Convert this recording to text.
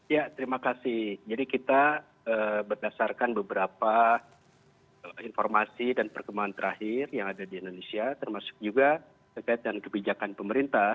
ya terima kasih jadi kita berdasarkan beberapa informasi dan perkembangan terakhir yang ada di indonesia termasuk juga terkait dengan kebijakan pemerintah